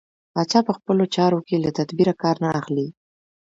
پاچا په خپلو چارو کې له تدبېره کار نه اخلي.